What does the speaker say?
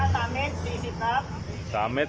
สวัสดีครับคุณแฟม